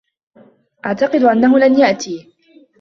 أعتقد أنّه لن يأتي.